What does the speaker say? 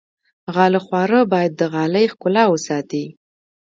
غاله خواره باید د غالۍ ښکلا وساتي.